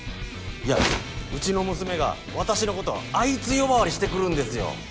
いやうちの娘が私のことを「アイツ」呼ばわりしてくるんですよ